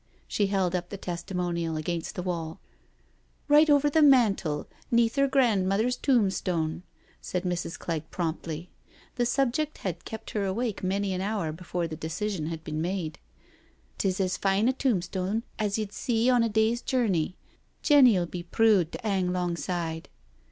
she held up the testimonial against the wall. JOE'S SURRENDER 301 " Right over the manteli 'neath 'er granmuther's tombstone/* said Mrs. Clegg promptly. The subject had kept her awake many an hour before the decision had been made. " Tis as fine a tombstone as ye*d see on a day*s journey — Jenny*ull be prood to 'ang 'longside.